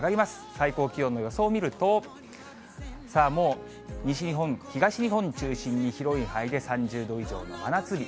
最高気温の予想を見ると、もう西日本、東日本を中心に、広い範囲で３０度以上の真夏日。